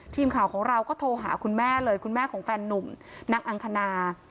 ทีมข่าวของเราก็โทรหาคุณแม่เลยคุณแม่ของแฟนนุ่มนางอังคณา